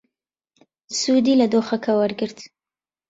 سوودی لە دۆخەکە وەرگرت.